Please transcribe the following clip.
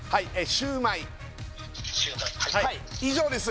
☎シューマイはい以上です